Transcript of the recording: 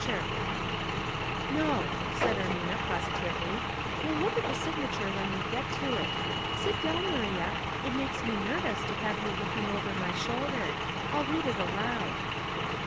186 Household Puzzles* "No," said Ermina, positively; "we'll look at the signature when we get to it. Sit down, Maria ; it makes me nervous to have you look ing over my shoulder. I'll read it aloud."